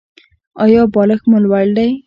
ایا بالښت مو لوړ دی؟